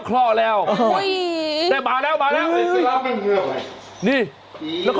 จะมาแล้วมาแล้ว